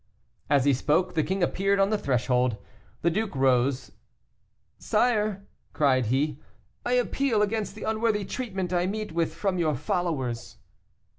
As he spoke the king appeared on the threshold. The duke rose. "Sire," cried he, "I appeal against the unworthy treatment I meet with from your followers."